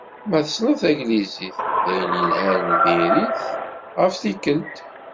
Ma tessneḍ taglizit, d ayen yelhan diri-t ɣef tikelt.